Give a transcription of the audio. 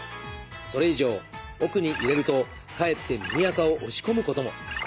それ以上奥に入れるとかえって耳あかを押し込むことも。